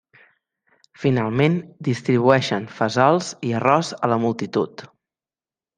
Finalment, distribueixen fesols i arròs a la multitud.